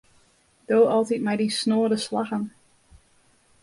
Do altyd mei dyn snoade slaggen.